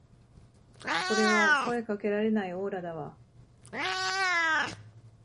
これは声かけられないオーラだわ